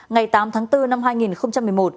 ngày tám tháng bốn năm hai nghìn một mươi một